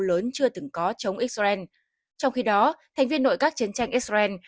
lớn chưa từng có chống israel trong khi đó thành viên nội các chiến tranh israel